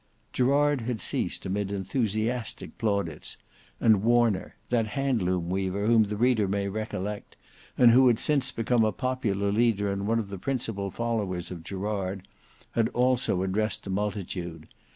Gerard had ceased amid enthusiastic plaudits, and Warner—that hand loom weaver whom the reader may recollect, and who had since become a popular leader and one of the principal followers of Gerard—had also addressed the multitude.